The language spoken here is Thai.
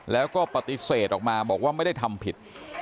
แล้วก็ปฏิเสธออกมาบอกว่าไม่ได้ทำผิด